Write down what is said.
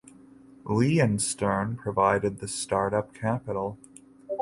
Li and Stern provided the startup capital.